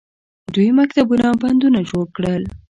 دوی مکتبونه او بندونه جوړ کړل.